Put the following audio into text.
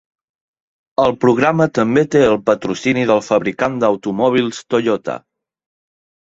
El programa també té el patrocini del fabricant d'automòbils Toyota.